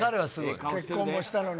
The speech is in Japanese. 結婚もしたのに。